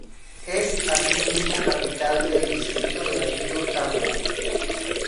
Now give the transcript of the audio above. Es asimismo capital del distrito de Río Tambo.